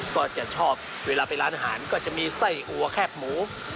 ก็จะชอบเวลาไปร้านอาหารก็จะมีไส้อัวแคบหมู